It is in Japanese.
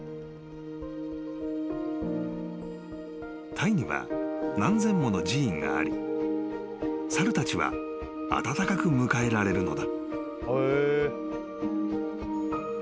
［タイには何千もの寺院があり猿たちは温かく迎えられるのだ］